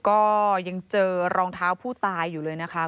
ก็ยังเจอรองเท้าผู้ตายอยู่เลยนะคะ